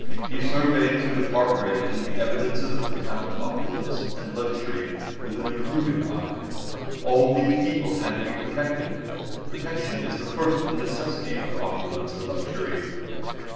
He surveyed through the park railings the evidences of the town's opulence and luxury with an approving eye. All these people had to be protected. Protection is the first necessity of opulence and luxury.